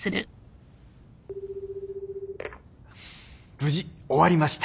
無事終わりました。